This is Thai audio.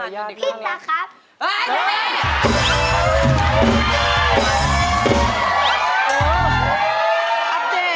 พี่เต๋าครับ